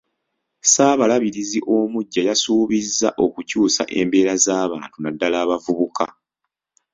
Ssaabalabirizi omuggya yasuubizza okukyusa embeera z’abantu naddala abavubuka.